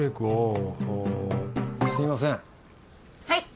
はい。